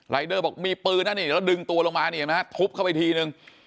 รายเดอร์บอกมีปืนนั่นนี่แล้วดึงตัวลงมาทุบเข้าไปทีนึง